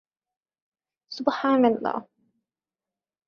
বিধানসভা কেন্দ্রের নির্বাচিত সদস্য ওড়িশা বিধানসভাতে প্রতিনিধিত্ব করে।